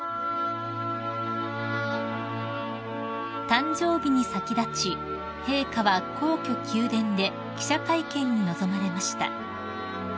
［誕生日に先立ち陛下は皇居宮殿で記者会見に臨まれました］